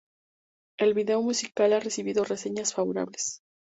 El video musical ha recibido reseñas favorables.